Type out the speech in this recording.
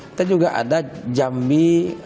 kita juga ada jambi